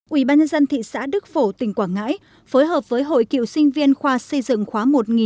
ủy ban nhân dân thị xã đức phổ tỉnh quảng ngãi phối hợp với hội cựu sinh viên khoa xây dựng khóa một nghìn chín trăm chín mươi sáu